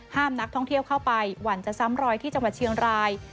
นักท่องเที่ยวเข้าไปหวั่นจะซ้ำรอยที่จังหวัดเชียงราย